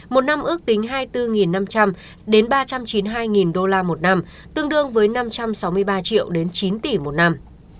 một năm ước tính hai mươi bốn năm trăm linh đến ba trăm chín mươi hai đô la một năm tương đương với năm trăm sáu mươi ba triệu đến chín tỷ một năm